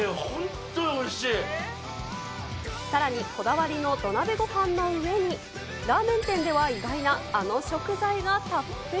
さらに、こだわりの土鍋ごはんの上に、ラーメン店では意外なあの食材がたっぷり。